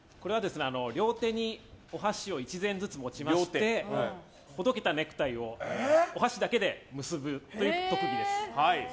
両手にお箸を１膳ずつ持ちましてほどけたネクタイをお箸だけで結ぶという特技です。